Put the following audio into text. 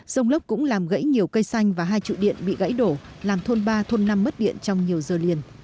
rông lốc cũng làm gãy nhiều cây xanh và hai trụ điện bị gãy đổ làm thôn ba thôn năm mất điện trong nhiều giờ liền